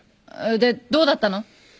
でどうだったの？